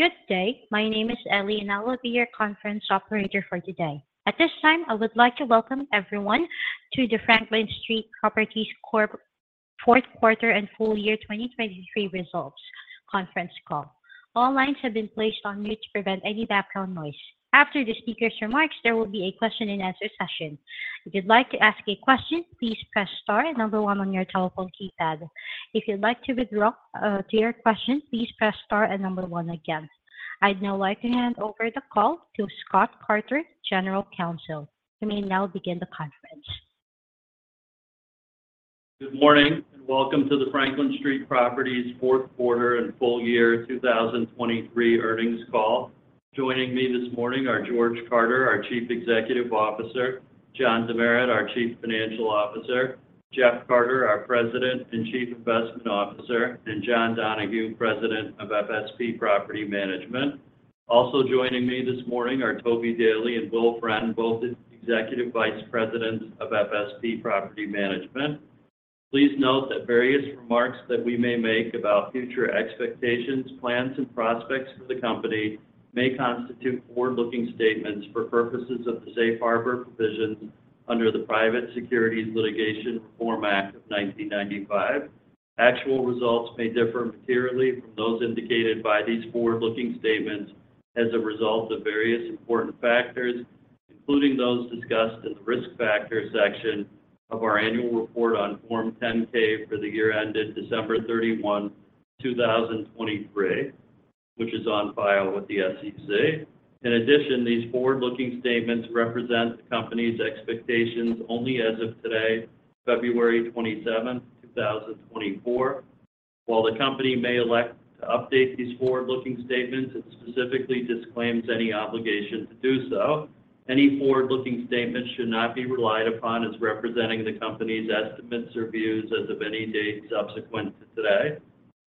Good day, my name is Ellie, and I will be your conference operator for today. At this time, I would like to welcome everyone to the Franklin Street Properties Corp Fourth Quarter and Full Year 2023 results conference call. All lines have been placed on mute to prevent any background noise. After the speaker's remarks, there will be a question-and-answer session. If you'd like to ask a question, please press star and 1 on your telephone keypad. If you'd like to withdraw, to your question, please press star and 1 again. I'd now like to hand over the call to Scott Carter, General Counsel. You may now begin the conference. Good morning and welcome to the Franklin Street Properties fourth quarter and full year 2023 earnings call. Joining me this morning are George Carter, our Chief Executive Officer, John Demeritt, our Chief Financial Officer, Jeff Carter, our President and Chief Investment Officer, and John Donahue, President of FSP Property Management. Also joining me this morning are Toby Daley and Will Friend, both Executive Vice Presidents of FSP Property Management. Please note that various remarks that we may make about future expectations, plans, and prospects for the company may constitute forward-looking statements for purposes of the Safe Harbor provisions under the Private Securities Litigation Reform Act of 1995. Actual results may differ materially from those indicated by these forward-looking statements as a result of various important factors, including those discussed in the Risk Factors section of our annual report on Form 10-K for the year ended December 31, 2023, which is on file with the SEC. In addition, these forward-looking statements represent the company's expectations only as of today, February 27th, 2024. While the company may elect to update these forward-looking statements, it specifically disclaims any obligation to do so. Any forward-looking statement should not be relied upon as representing the company's estimates or views as of any date subsequent to today.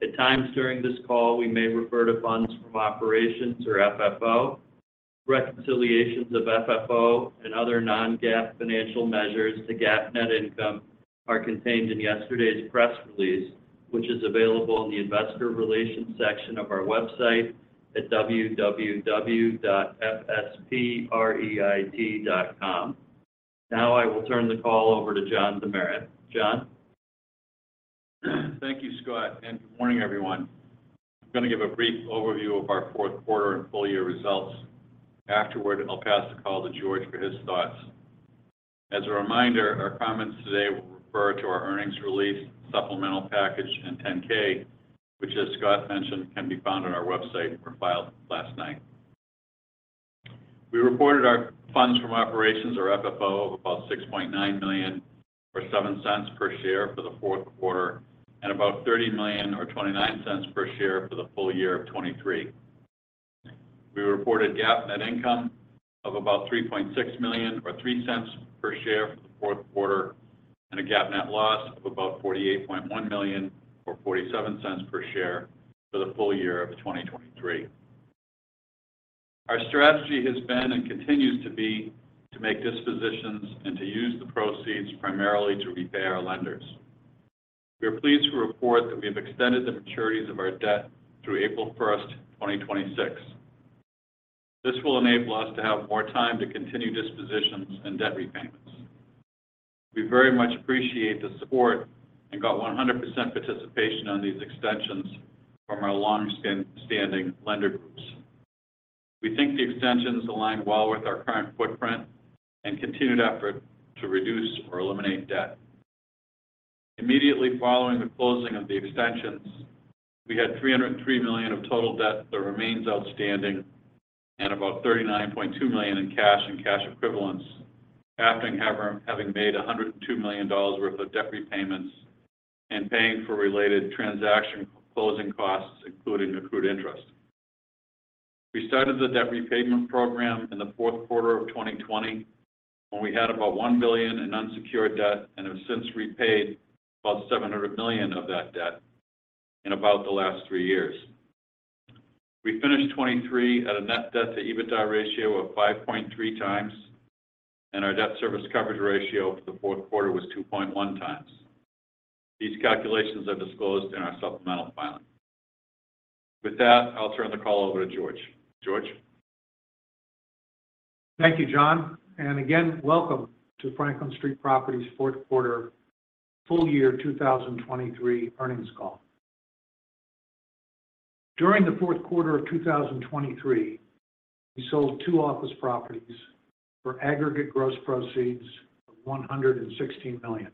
At times during this call, we may refer to funds from operations or FFO. Reconciliations of FFO and other non-GAAP financial measures to GAAP net income are contained in yesterday's press release, which is available in the Investor Relations section of our website at www.fspreit.com. Now I will turn the call over to John Demeritt. John? Thank you, Scott, and good morning, everyone. I'm going to give a brief overview of our fourth quarter and full year results. Afterward, I'll pass the call to George for his thoughts. As a reminder, our comments today will refer to our earnings release, supplemental package, and 10-K, which, as Scott mentioned, can be found on our website and were filed last night. We reported our funds from operations, or FFO, of about $6.9 million or $0.07 per share for the fourth quarter and about $30 million or $0.29 per share for the full year of 2023. We reported GAAP net income of about $3.6 million or $0.03 per share for the fourth quarter and a GAAP net loss of about $48.1 million or $0.47 per share for the full year of 2023. Our strategy has been and continues to be to make dispositions and to use the proceeds primarily to repay our lenders. We are pleased to report that we have extended the maturities of our debt through April 1, 2026. This will enable us to have more time to continue dispositions and debt repayments. We very much appreciate the support and got 100% participation on these extensions from our long-standing lender groups. We think the extensions align well with our current footprint and continued effort to reduce or eliminate debt. Immediately following the closing of the extensions, we had $303 million of total debt that remains outstanding and about $39.2 million in cash and cash equivalents after having made $102 million worth of debt repayments and paying for related transaction closing costs, including accrued interest. We started the debt repayment program in the fourth quarter of 2020 when we had about $1 billion in unsecured debt and have since repaid about $700 million of that debt in about the last three years. We finished 2023 at a net debt-to-EBITDA ratio of 5.3 times, and our debt service coverage ratio for the fourth quarter was 2.1 times. These calculations are disclosed in our supplemental filing. With that, I'll turn the call over to George. George? Thank you, John. Again, welcome to Franklin Street Properties fourth quarter, full year 2023 earnings call. During the fourth quarter of 2023, we sold two office properties for aggregate gross proceeds of $116 million.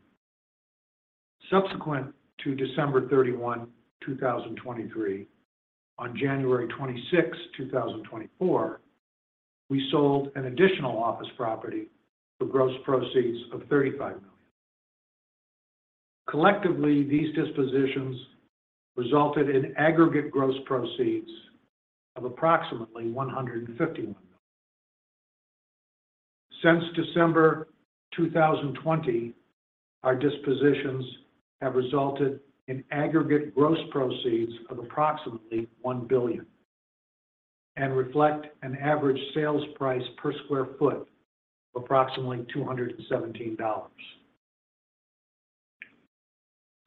Subsequent to December 31, 2023, on January 26, 2024, we sold an additional office property for gross proceeds of $35 million. Collectively, these dispositions resulted in aggregate gross proceeds of approximately $151 million. Since December 2020, our dispositions have resulted in aggregate gross proceeds of approximately $1 billion and reflect an average sales price per sq ft of approximately $217.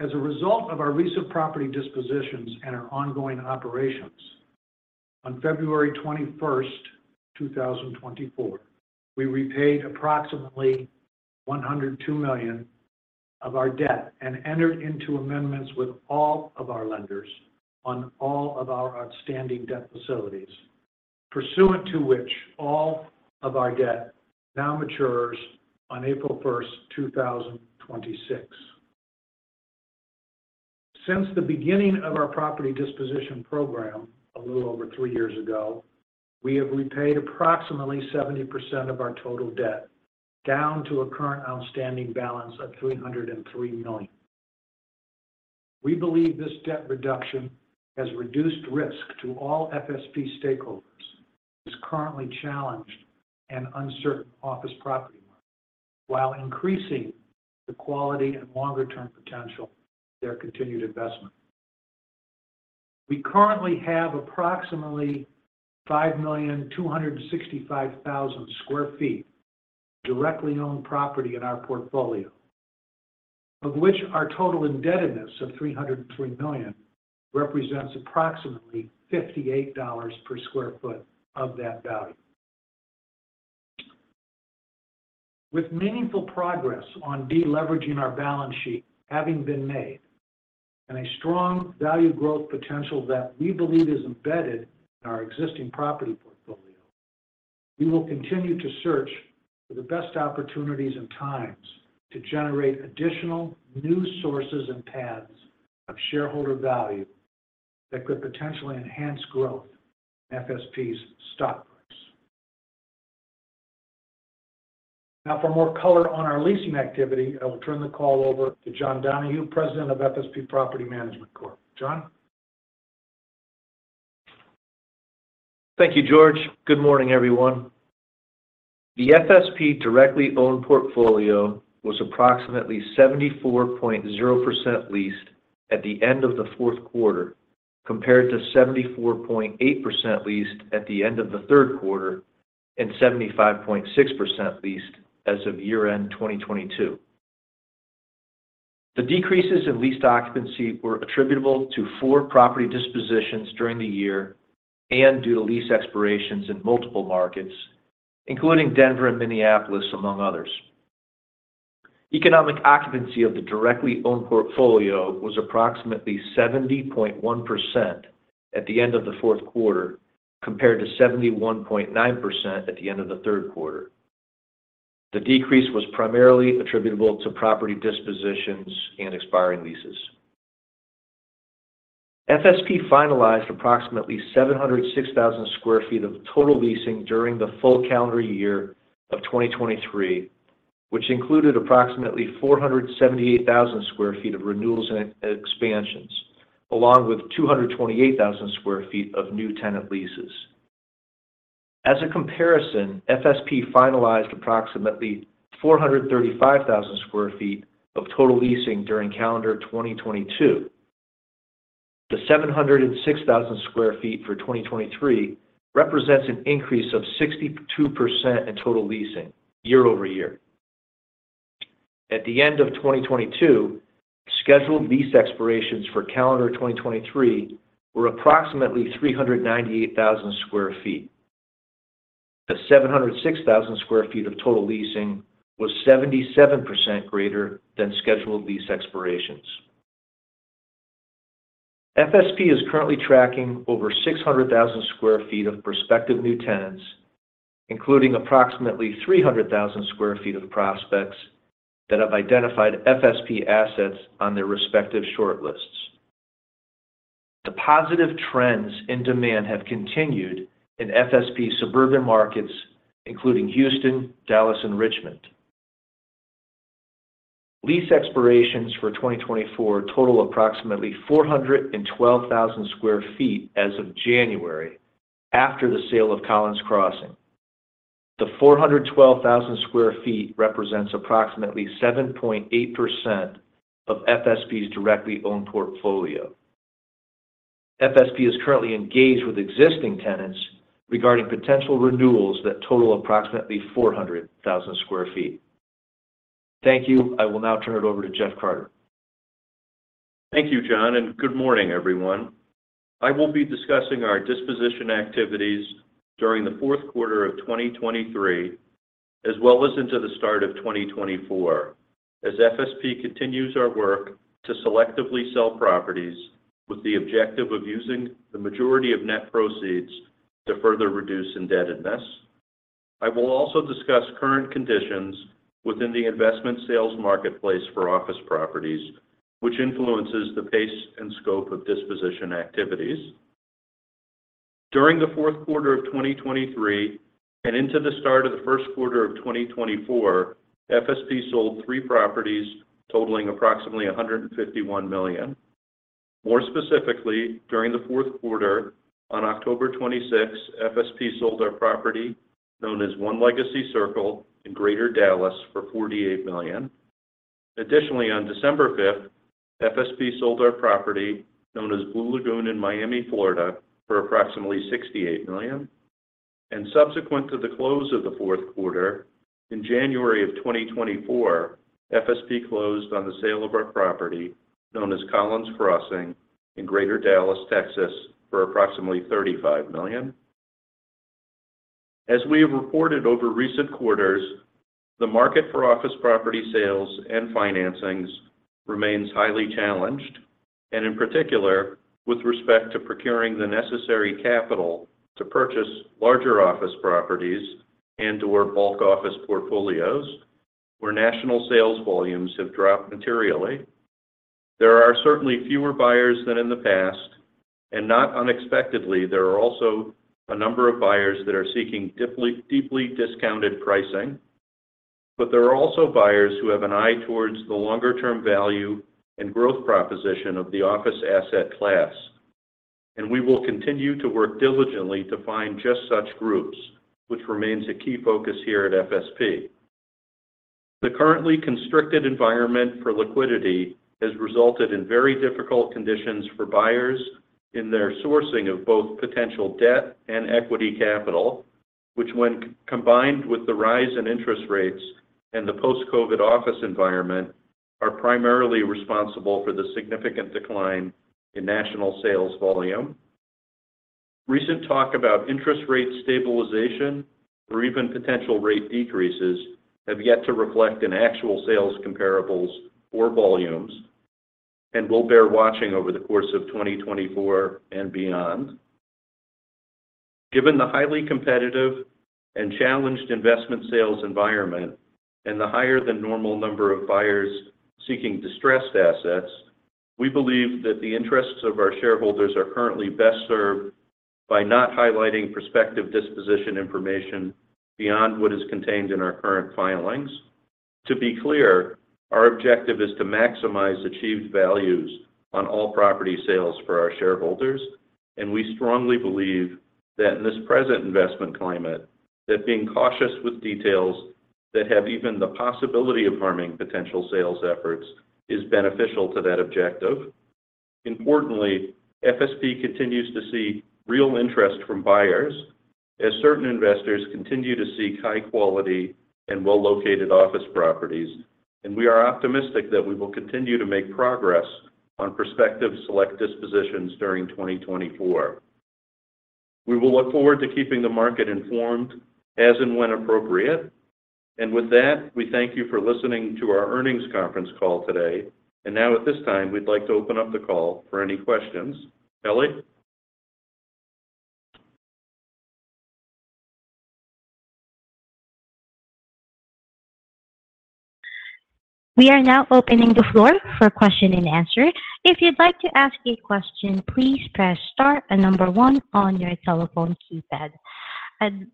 As a result of our recent property dispositions and our ongoing operations, on February 21st, 2024, we repaid approximately $102 million of our debt and entered into amendments with all of our lenders on all of our outstanding debt facilities, pursuant to which all of our debt now matures on April 1st, 2026. Since the beginning of our property disposition program a little over three years ago, we have repaid approximately 70% of our total debt down to a current outstanding balance of $303 million. We believe this debt reduction has reduced risk to all FSP stakeholders in this currently challenged and uncertain office property market while increasing the quality and longer-term potential of their continued investment. We currently have approximately 5,265,000 sq ft of directly owned property in our portfolio, of which our total indebtedness of $303 million represents approximately $58 per sq ft of that value. With meaningful progress on deleveraging our balance sheet having been made and a strong value growth potential that we believe is embedded in our existing property portfolio, we will continue to search for the best opportunities and times to generate additional new sources and paths of shareholder value that could potentially enhance growth in FSP's stock price. Now, for more color on our leasing activity, I will turn the call over to John Donahue, President of FSP Property Management Corp. John? Thank you, George. Good morning, everyone. The FSP directly owned portfolio was approximately 74.0% leased at the end of the fourth quarter compared to 74.8% leased at the end of the third quarter and 75.6% leased as of year-end 2022. The decreases in leased occupancy were attributable to four property dispositions during the year and due to lease expirations in multiple markets, including Denver and Minneapolis, among others. Economic occupancy of the directly owned portfolio was approximately 70.1% at the end of the fourth quarter compared to 71.9% at the end of the third quarter. The decrease was primarily attributable to property dispositions and expiring leases. FSP finalized approximately 706,000 sq ft of total leasing during the full calendar year of 2023, which included approximately 478,000 sq ft of renewals and expansions, along with 228,000 sq ft of new tenant leases. As a comparison, FSP finalized approximately 435,000 sq ft of total leasing during calendar 2022. The 706,000 sq ft for 2023 represents an increase of 62% in total leasing year-over-year. At the end of 2022, scheduled lease expirations for calendar 2023 were approximately 398,000 sq ft. The 706,000 sq ft of total leasing was 77% greater than scheduled lease expirations. FSP is currently tracking over 600,000 sq ft of prospective new tenants, including approximately 300,000 sq ft of prospects that have identified FSP assets on their respective short lists. The positive trends in demand have continued in FSP suburban markets, including Houston, Dallas, and Richmond. Lease expirations for 2024 total approximately 412,000 sq ft as of January after the sale of Collins Crossing. The 412,000 sq ft represents approximately 7.8% of FSP's directly owned portfolio. FSP is currently engaged with existing tenants regarding potential renewals that total approximately 400,000 sq ft. Thank you. I will now turn it over to Jeff Carter. Thank you, John, and good morning, everyone. I will be discussing our disposition activities during the fourth quarter of 2023 as well as into the start of 2024 as FSP continues our work to selectively sell properties with the objective of using the majority of net proceeds to further reduce indebtedness. I will also discuss current conditions within the investment sales marketplace for office properties, which influences the pace and scope of disposition activities. During the fourth quarter of 2023 and into the start of the first quarter of 2024, FSP sold 3 properties totaling approximately $151 million. More specifically, during the fourth quarter, on October 26, FSP sold our property known as One Legacy Circle in Greater Dallas for $48 million. Additionally, on December 5th, FSP sold our property known as Blue Lagoon in Miami, Florida, for approximately $68 million. Subsequent to the close of the fourth quarter, in January of 2024, FSP closed on the sale of our property known as Collins Crossing in Greater Dallas, Texas, for approximately $35 million. As we have reported over recent quarters, the market for office property sales and financings remains highly challenged, and in particular with respect to procuring the necessary capital to purchase larger office properties and/or bulk office portfolios, where national sales volumes have dropped materially. There are certainly fewer buyers than in the past, and not unexpectedly, there are also a number of buyers that are seeking deeply discounted pricing. But there are also buyers who have an eye towards the longer-term value and growth proposition of the office asset class, and we will continue to work diligently to find just such groups, which remains a key focus here at FSP. The currently constricted environment for liquidity has resulted in very difficult conditions for buyers in their sourcing of both potential debt and equity capital, which, when combined with the rise in interest rates and the post-COVID office environment, are primarily responsible for the significant decline in national sales volume. Recent talk about interest rate stabilization or even potential rate decreases have yet to reflect in actual sales comparables or volumes and will bear watching over the course of 2024 and beyond. Given the highly competitive and challenged investment sales environment and the higher-than-normal number of buyers seeking distressed assets, we believe that the interests of our shareholders are currently best served by not highlighting prospective disposition information beyond what is contained in our current filings. To be clear, our objective is to maximize achieved values on all property sales for our shareholders, and we strongly believe that in this present investment climate, that being cautious with details that have even the possibility of harming potential sales efforts is beneficial to that objective. Importantly, FSP continues to see real interest from buyers as certain investors continue to seek high-quality and well-located office properties, and we are optimistic that we will continue to make progress on prospective select dispositions during 2024. We will look forward to keeping the market informed as and when appropriate. And with that, we thank you for listening to our earnings conference call today. And now, at this time, we'd like to open up the call for any questions. Kelly? We are now opening the floor for question and answer. If you'd like to ask a question, please press star and number one on your telephone keypad. And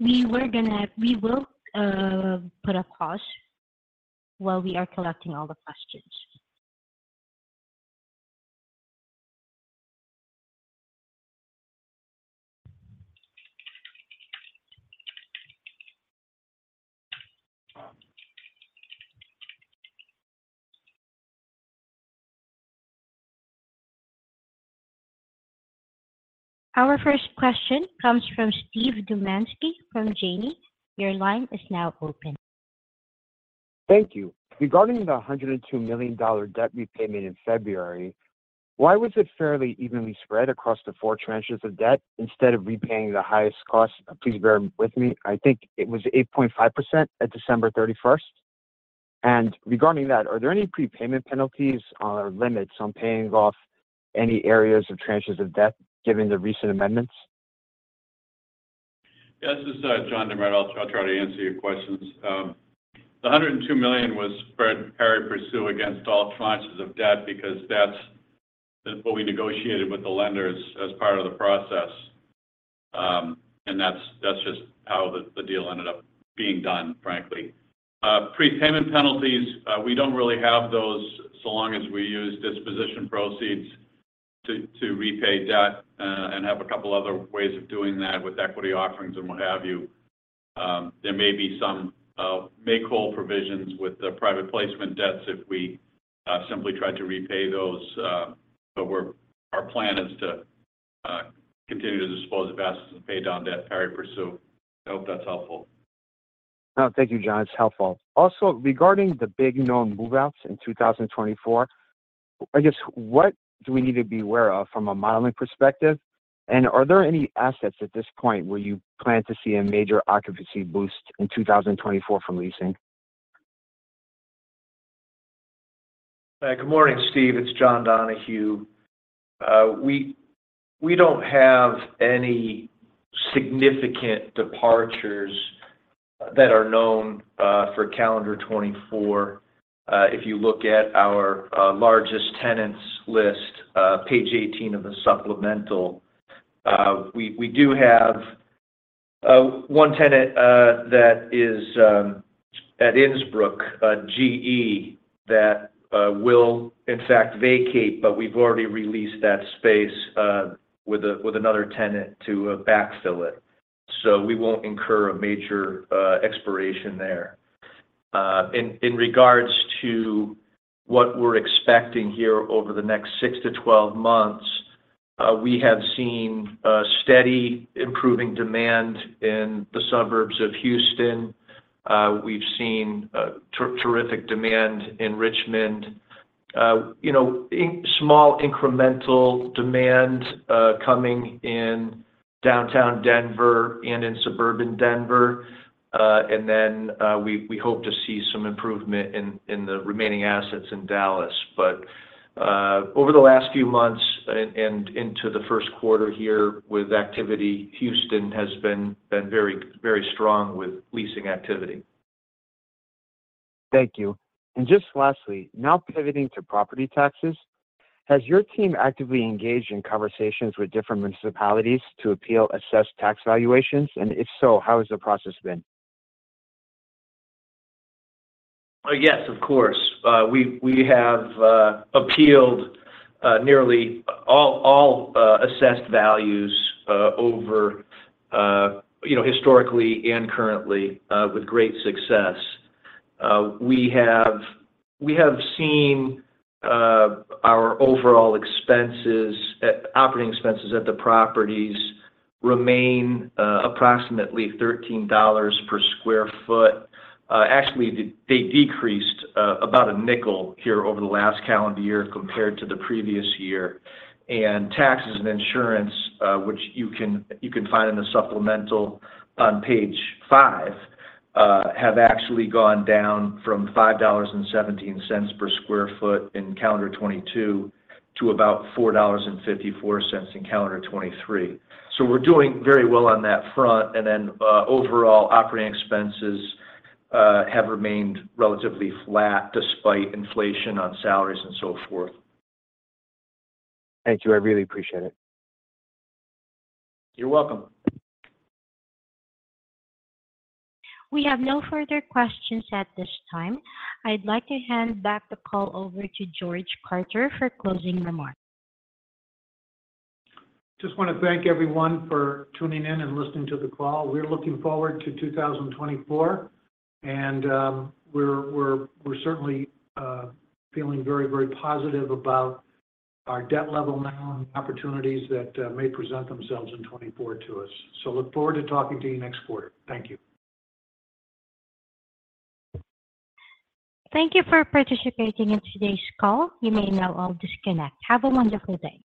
we will put a pause while we are collecting all the questions. Our first question comes from Steve Dumanski from Janney. Your line is now open. Thank you. Regarding the $102 million debt repayment in February, why was it fairly evenly spread across the four tranches of debt instead of repaying the highest cost? Please bear with me. I think it was 8.5% at December 31st. And regarding that, are there any prepayment penalties or limits on paying off any areas of tranches of debt given the recent amendments? Yeah, this is John Demeritt. I'll try to answer your questions. The $102 million was spread pari passu against all tranches of debt because that's what we negotiated with the lenders as part of the process, and that's just how the deal ended up being done, frankly. Prepayment penalties, we don't really have those so long as we use disposition proceeds to repay debt and have a couple other ways of doing that with equity offerings and what have you. There may be some make-whole provisions with the private placement debts if we simply tried to repay those, but our plan is to continue to dispose of assets and pay down debt pari passu. I hope that's helpful. No, thank you, John. It's helpful. Also, regarding the big known moveouts in 2024, I guess, what do we need to be aware of from a modeling perspective? And are there any assets at this point where you plan to see a major occupancy boost in 2024 from leasing? Good morning, Steve. It's John Donahue. We don't have any significant departures that are known for calendar 2024. If you look at our largest tenants list, page 18 of the supplemental, we do have one tenant that is at Innsbruck, GE, that will, in fact, vacate, but we've already released that space with another tenant to backfill it. So we won't incur a major expiration there. In regards to what we're expecting here over the next 6-12 months, we have seen steady improving demand in the suburbs of Houston. We've seen terrific demand in Richmond, small incremental demand coming in downtown Denver and in suburban Denver, and then we hope to see some improvement in the remaining assets in Dallas. But over the last few months and into the first quarter here with activity, Houston has been very strong with leasing activity. Thank you. Just lastly, now pivoting to property taxes, has your team actively engaged in conversations with different municipalities to appeal assessed tax valuations? If so, how has the process been? Yes, of course. We have appealed nearly all assessed values historically and currently with great success. We have seen our overall operating expenses at the properties remain approximately $13 per sq ft. Actually, they decreased about $0.05 here over the last calendar year compared to the previous year. And taxes and insurance, which you can find in the supplemental on page 5, have actually gone down from $5.17 per sq ft in calendar 2022 to about $4.54 in calendar 2023. So we're doing very well on that front. And then overall, operating expenses have remained relatively flat despite inflation on salaries and so forth. Thank you. I really appreciate it. You're welcome. We have no further questions at this time. I'd like to hand back the call over to George Carter for closing remarks. Just want to thank everyone for tuning in and listening to the call. We're looking forward to 2024, and we're certainly feeling very, very positive about our debt level now and the opportunities that may present themselves in 2024 to us. So look forward to talking to you next quarter. Thank you. Thank you for participating in today's call. You may now all disconnect. Have a wonderful day.